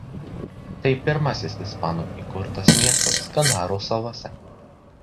Tai pirmasis ispanų įkurtas miestas Kanarų salose.